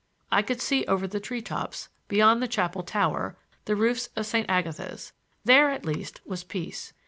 I could see over the tree tops, beyond the chapel tower, the roofs of St. Agatha's. There, at least, was peace.